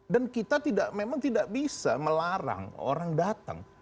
dan kita memang tidak bisa melarang orang datang